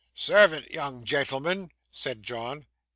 'Servant, young genelman,' said John.